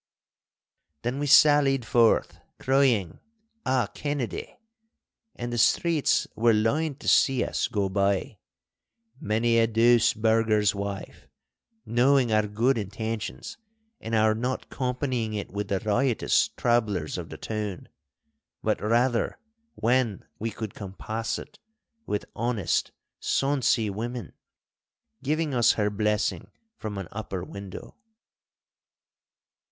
Then we sallied forth crying, 'A Kennedy!' And the streets were lined to see us go by, many a douce burgher's wife, knowing our good intentions and our not companying with the riotous troublers of the town, but rather, when we could compass it, with honest, sonsy women, giving us her blessing from an upper window.